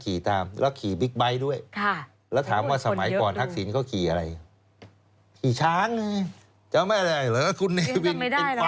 คุณเรอวินเป็นกวารช้าง